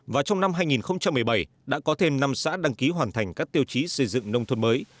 và trong năm hai nghìn một mươi bảy đã có thêm năm xã đăng ký hoàn thành các tiêu chí xây dựng nông thôn mới